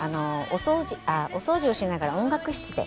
お掃除しながら音楽室で？